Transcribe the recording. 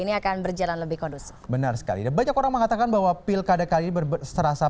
bisa berjalan lebih kondusif benar sekali banyak orang mengatakan bahwa pilkada kali berberasa